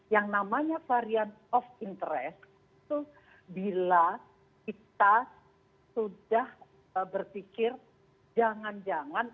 yang namanya varian of interest itu bila kita sudah berpikir jangan jangan